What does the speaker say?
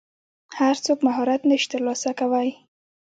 هر څوک مهارت نشي ترلاسه کولی.